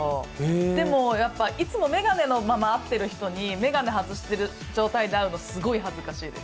でも、いつも眼鏡のまま会ってる人に眼鏡外してる状態で会うの、すごい恥ずかしいです。